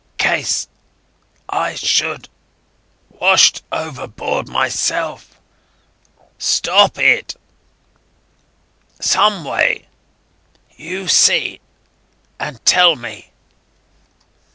case ... I should ... washed overboard myself. ... Stop it ... some way. You see and tell me